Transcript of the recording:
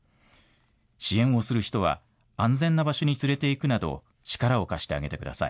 支援をする人は安全な場所に連れて行くなど力を貸してあげてください。